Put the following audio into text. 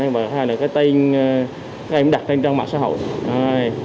và hai là cái tên các em đặt trên trang mạng xã hội